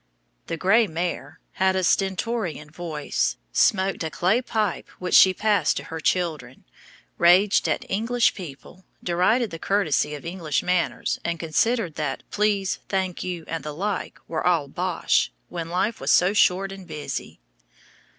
The "Grey Mare" had a stentorian voice, smoked a clay pipe which she passed to her children, raged at English people, derided the courtesy of English manners, and considered that "Please," "Thank you," and the like, were "all bosh" when life was so short and busy.